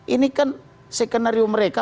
ini kan sekenario mereka